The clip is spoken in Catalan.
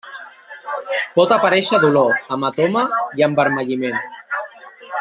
Pot aparèixer dolor, hematoma i envermelliment.